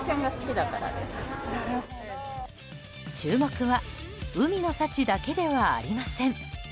注目は海の幸だけではありません。